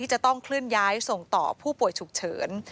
จะต้องเคลื่อนย้ายส่งต่อผู้ป่วยฉุกเฉิน